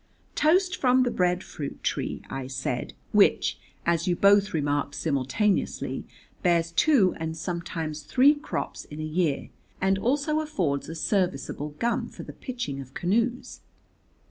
"Toast from the bread fruit tree," I said, "which (as you both remarked simultaneously) bears two and sometimes three crops in a year, and also affords a serviceable gum for the pitching of canoes."